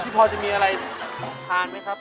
พอจะมีอะไรทานไหมครับ